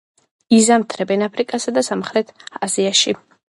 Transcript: იზამთრებენ აფრიკასა და სამხრეთ აზიაში.